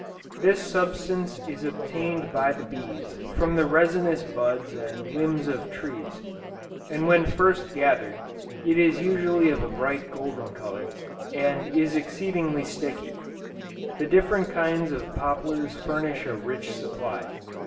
This substance is obtained by the bees from the resinous buds and limbs of trees; and when first gathered, it is usually of a bright golden color, and is exceedingly sticky. The different kinds of poplars furnish a rich supply.